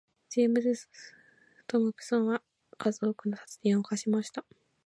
ジェームズトムプソンは数多くの殺人を犯しました。